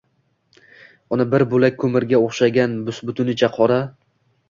uni bir bo‘lak ko‘mirga o‘xshagan, bus-butunicha qora